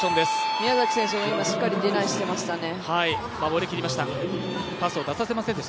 宮崎選手も今、しっかりディナイしていましたね。